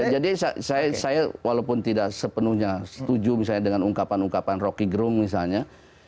jadi saya walaupun tidak sepenuhnya setuju misalnya dengan ungkapan ungkapan rocky groom misalnya